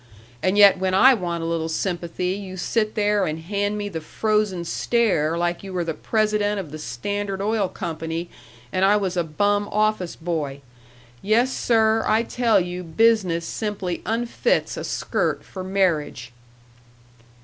And yet when I want a little sympathy you sit there and hand me the frozen stare like you were the president of the Standard Oil Company and I was a bum office boy. Yes, sir, I tell you business simply unfits a skirt for marriage."